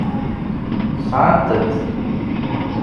Sɛant-t.